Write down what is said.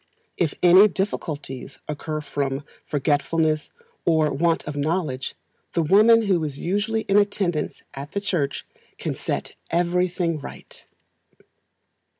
If any difficulties occur from forgetfulness, or want of knowledge, the woman who is usually in attendance at the church can set everything right.